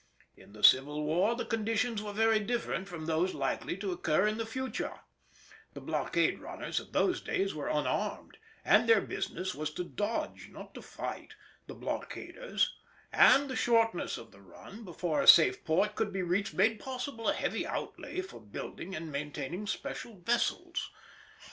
In the civil war the conditions were very different from those likely to occur in the future; the blockade runners of those days were unarmed, and their business was to dodge, not to fight, the blockaders, and the shortness of the run before a safe port could be reached made possible a heavy outlay for building and maintaining special vessels.